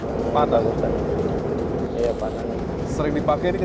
kepala tanah noi apa itu